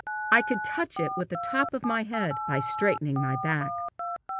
I could touch it with the top of my head by straightening my back.